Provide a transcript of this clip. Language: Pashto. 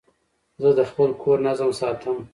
زه د خپل کور نظم ساتم.